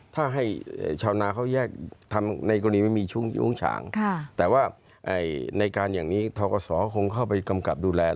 ถ้าให้ชาวนาเขาแยกทำในกรณีไม่มียุ้งฉางแต่ว่าในการอย่างนี้ทกศคงเข้าไปกำกับดูแล